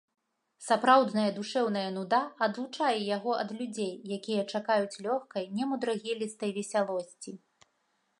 Сапраўдная душэўная нуда адлучае яго ад людзей, якія чакаюць лёгкай, немудрагелістай весялосці.